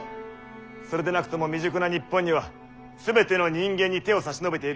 それでなくても未熟な日本には全ての人間に手を差し伸べている余裕はない。